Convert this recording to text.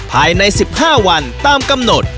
ภายใน๑๕วันตามกำหนด